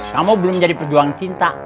kamu belum jadi perjuangan cinta